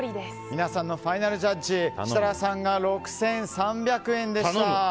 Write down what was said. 皆さんのファイナルジャッジ設楽さんが６３００円でした。